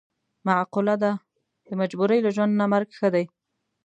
معقوله ده: د مجبورۍ له ژوند نه مرګ ښه دی.